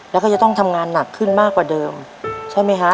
แล้วก็จะต้องทำงานหนักขึ้นมากกว่าเดิมใช่ไหมฮะ